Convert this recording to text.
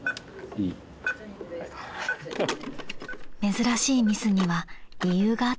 ［珍しいミスには理由があったようです］